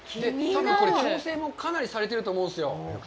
多分調整もかなりされていると思うんですよ。